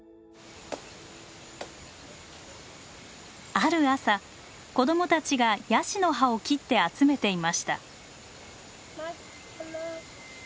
ある朝子供たちがヤシの葉を切って集めていました。